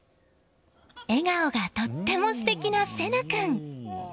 笑顔がとっても素敵な聖梛君。